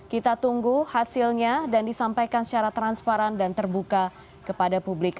kita tunggu hasilnya dan disampaikan secara transparan dan terbuka kepada publik